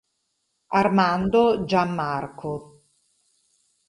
Armando Gianmarco.